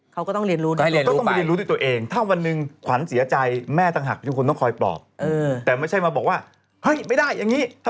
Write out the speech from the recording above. ขวัญโตแล้วอายุมัน๓๐แล้วนะ